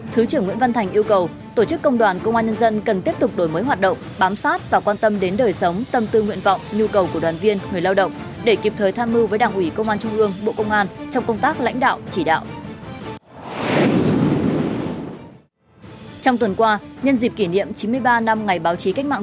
thứ trưởng nguyễn văn thành yêu cầu tổ chức công đoàn công an nhân dân cần tiếp tục đổi mới hoạt động bám sát và quan tâm đến đời sống tâm tư nguyện vọng nhu cầu của đoàn viên người lao động để kịp thời tham mưu với đảng ủy công an trung ương bộ công an trong công tác lãnh đạo chỉ đạo